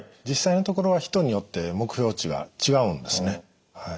実際のところは人によって目標値が違うんですね。